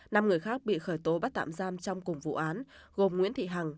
năm người khác bị khởi tố bắt tạm giam trong cùng vụ án gồm nguyễn thị hằng